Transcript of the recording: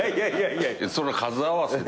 そんな数合わせで。